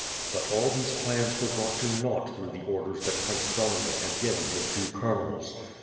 But all these plans were brought to naught through the orders that Prince Dom inik had given his two colonels.